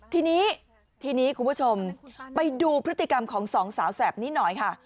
ทีนี้ทีนี้คุณผู้ชมไปดูพฤติกรรมของสองสาวแสบนี้หน่อยค่ะ